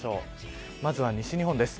まずは西日本です。